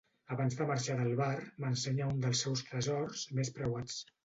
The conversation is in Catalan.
Abans de marxar del bar, m'ensenya un dels seus tresors més preuats.